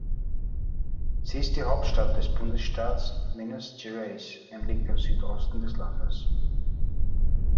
Sie ist die Hauptstadt des Bundesstaats Minas Gerais und liegt im Südosten des Landes.